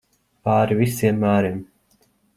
Pāri visiem mēriem.